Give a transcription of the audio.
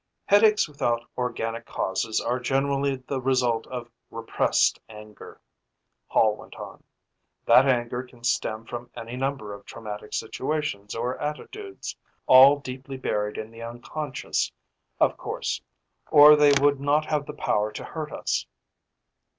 "Headaches without organic causes are generally the result of repressed anger," Hall went on. "That anger can stem from any number of traumatic situations or attitudes, all deeply buried in the unconscious, of course, or they would not have the power to hurt us.